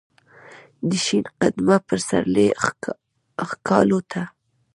دشین قدمه پسرلی ښکالو ته ،